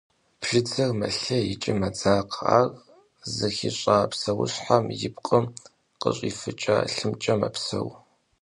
Бжьыдзэр мэлъей икӏи мэдзакъэ, ар зыхищӏа псэущхьэм и пкъым къыщӏифыкӏа лъымкӏэ мэпсэу.